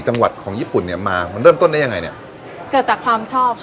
จังหวัดของญี่ปุ่นเนี้ยมามันเริ่มต้นได้ยังไงเนี่ยเกิดจากความชอบค่ะ